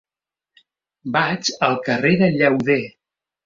Vaig al carrer de Llauder.